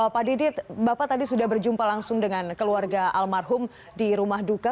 pak didit bapak tadi sudah berjumpa langsung dengan keluarga almarhum di rumah duka